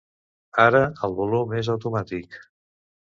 Ara el volum és automàtic.